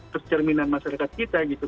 keserminan masyarakat kita gitu